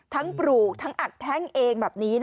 ปลูกทั้งอัดแท่งเองแบบนี้